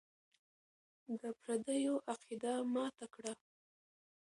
د پردیو عقیده ماته کړه.